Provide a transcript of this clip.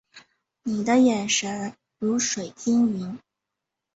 你的眼神如水晶莹